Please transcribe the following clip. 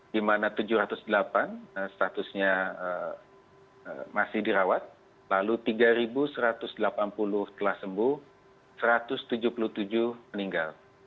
di mana tujuh ratus delapan statusnya masih dirawat lalu tiga satu ratus delapan puluh telah sembuh satu ratus tujuh puluh tujuh meninggal